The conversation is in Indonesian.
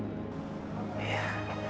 saya tidak mau